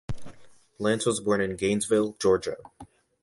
Lance was born in Gainesville, Georgia.